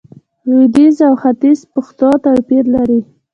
د لويديځ او ختيځ پښتو توپير لري